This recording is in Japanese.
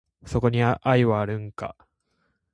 そこに愛はあるんか？